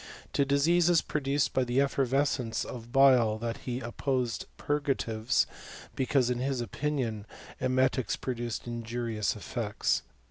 To diseases produced by the effervescence of the bile he opposed purgatives ; because in his opinion emetics produced injurious effects.